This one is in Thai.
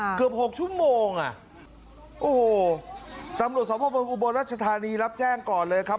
ค่ะเกือบหกชั่วโมงอ่ะโอ้โหตำลวดสมบัติบันดีอุบรรชธานีรับแจ้งก่อนเลยครับ